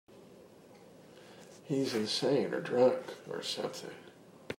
He's insane or drunk or something.